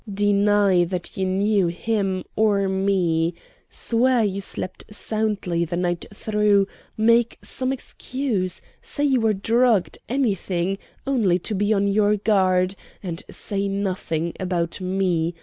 Deny that you knew him, or me. Swear you slept soundly the night through, make some excuse, say you were drugged, anything, only be on your guard, and say nothing about me.